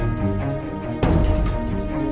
ntar saya kesini anjing